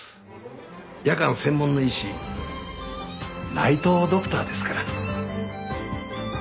夜間専門の医師ナイト・ドクターですから。